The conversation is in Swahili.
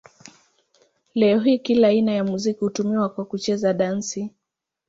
Leo hii kila aina ya muziki hutumiwa kwa kucheza dansi.